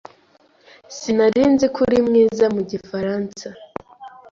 Sinari nzi ko uri mwiza mu gifaransa.